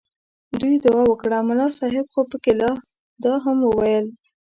دوی دعا وکړه ملا صاحب خو پکې لا دا هم وویل.